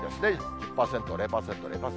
１０％、０％、０％。